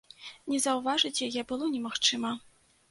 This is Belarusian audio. Не заўважыць яе было немагчыма.